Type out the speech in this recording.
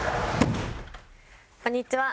こんにちは。